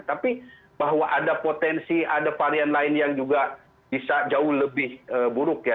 tapi bahwa ada potensi ada varian lain yang juga bisa jauh lebih buruk ya